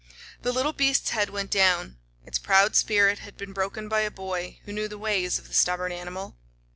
The little beast's head went down. Its proud spirit had been broken by a boy who knew the ways of the stubborn animal.